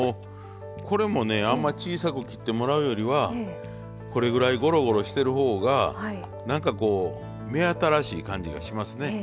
これもねあんまり小さく切ってもらうよりはこれぐらいゴロゴロしてる方が何かこう目新しい感じがしますね。